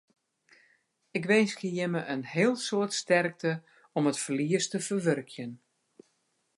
Ik winskje jimme in heel soad sterkte om it ferlies te ferwurkjen.